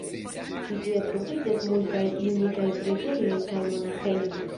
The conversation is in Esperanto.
Ĉi tie troviĝas multaj unikaj preĝejoj kaj monaĥejoj.